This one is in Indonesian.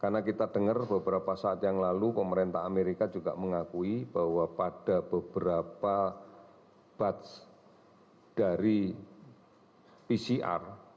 karena kita dengar beberapa saat yang lalu pemerintah amerika juga mengakui bahwa pada beberapa batch dari pcr